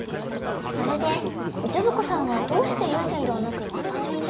それでジョブ子さんはどうして湯専ではなく潟女に？